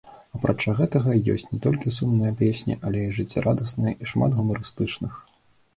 Апрача гэтага, ёсць не толькі сумныя песні, але і жыццярадасныя і шмат гумарыстычных.